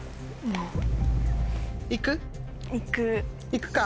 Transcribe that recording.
行くか。